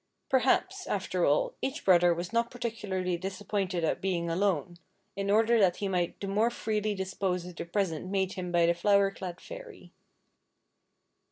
Per haps, after all, each brother was not particularly disappointed at being alone, in order that he might the more freely dispose of the present made him by the flower clad fairy.